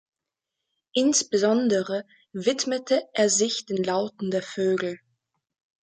Insbesondere widmete er sich den Lauten der Vögel.